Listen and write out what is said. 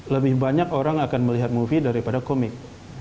lebih banyak orang akan melihat movie daripada komik